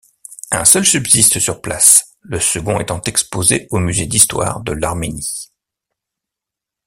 Un seul subsiste sur place, le second étant exposé au musée d'histoire de l'Arménie.